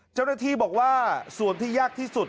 เจ้าหน้าที่บอกว่าส่วนที่ยากที่สุด